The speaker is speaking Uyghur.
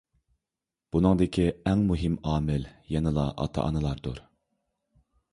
بۇنىڭدىكى ئەڭ مۇھىم ئامىل يەنىلا ئاتا-ئانىلاردۇر.